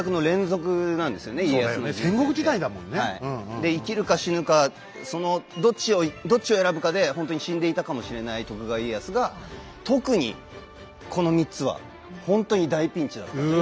で生きるか死ぬかそのどっちを選ぶかでほんとに死んでいたかもしれない徳川家康が特にこの３つはほんとに大ピンチだったという。